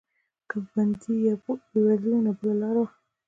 که به بندي بېوزلی و نو بله لاره وه.